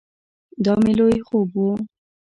دا مې لوی خوب ؤ